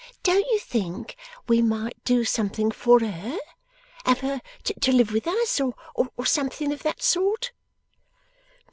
Don't you think we might do something for her? Have her to live with us? Or something of that sort?